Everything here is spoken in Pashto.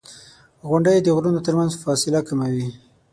• غونډۍ د غرونو ترمنځ فاصله کموي.